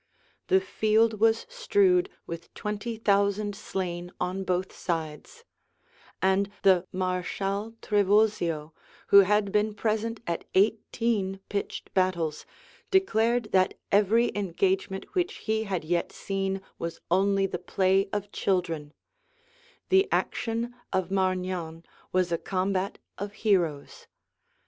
The field was strewed with twenty thousand slain on both sides; and the mareschal Trivulzio, who had been present at eighteen pitched battles, declared that every engagement which he had yet seen was only the play of children; the action of Marignan was a combat of heroes.